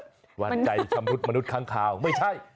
วันใจชำรุดมนุษยค้างคาวไม่ใช่